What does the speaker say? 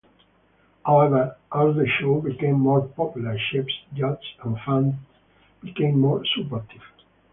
However, as the show became more popular, chefs, judges, and fans became more supportive.